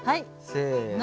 せの。